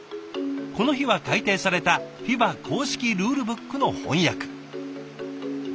この日は改訂されたＦＩＢＡ公式ルールブックの翻訳。